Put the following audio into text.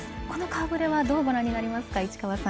この顔ぶれはどうご覧になりますか。